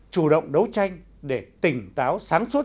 chủ động đấu tranh để tỉnh táo sáng suốt